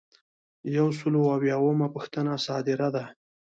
یو سل او اویایمه پوښتنه صادره ده.